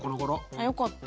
あよかった。